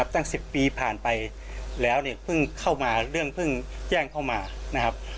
ตั้ง๑๐ปีผ่านไปแล้วเนี่ยเพิ่งเข้ามาเรื่องเพิ่งแจ้งเข้ามานะครับ